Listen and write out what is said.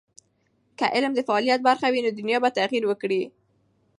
که علم د فعالیت برخه وي، نو دنیا به تغیر وکړي.